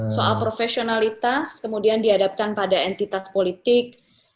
soal profesionalitas kemudian dihadapkan pada entitas politik